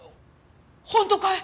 本当かい？